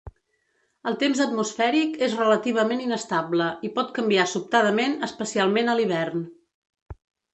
El temps atmosfèric és relativament inestable, i pot canviar sobtadament especialment a l'hivern.